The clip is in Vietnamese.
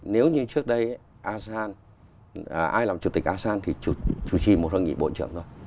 nếu như trước đây asean ai làm chủ tịch asean thì chủ trì một hội nghị bộ trưởng thôi